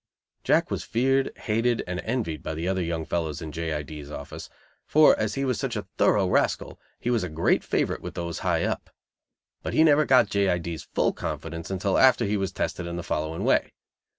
Jack was feared, hated and envied by the other young fellows in J. I. D.'s office, for as he was such a thorough rascal, he was a great favorite with those high up. But he never got J. I. D.'s full confidence until after he was tested in the following way.